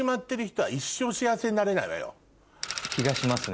気がしますね